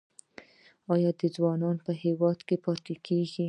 آیا ځوانان په هیواد کې پاتې کیږي؟